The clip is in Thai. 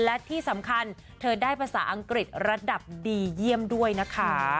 และที่สำคัญเธอได้ภาษาอังกฤษระดับดีเยี่ยมด้วยนะคะ